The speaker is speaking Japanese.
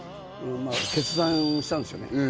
決断をしたんですよね